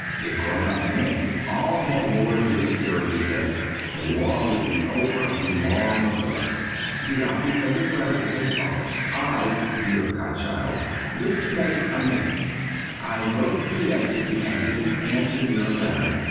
If grown up men all had more of your spirit, he says, the war would be over long ago. The object of this letter is as follows: I (your godchild) wish to make amends. I wrote you yesterday, and didn't answer your letter.